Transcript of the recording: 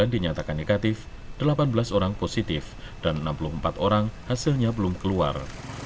sembilan dinyatakan negatif delapan belas orang positif dan enam puluh empat orang hasilnya belum keluar